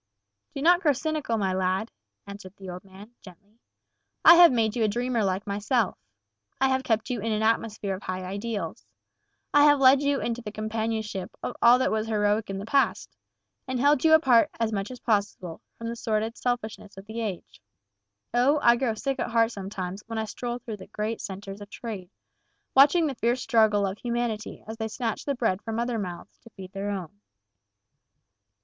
"Do not grow cynical, my lad," answered the old man, gently. "I have made you a dreamer like myself. I have kept you in an atmosphere of high ideals. I have led you into the companionship of all that was heroic in the past, and held you apart as much as possible from the sordid selfishness of the age. O, I grow sick at heart sometimes when I stroll through the great centers of trade, watching the fierce struggle of humanity as they snatch the bread from other mouths to feed their own.